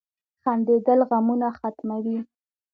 • خندېدل غمونه ختموي.